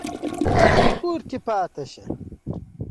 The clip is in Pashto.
کور کې پاتې شئ